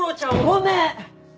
ごめん！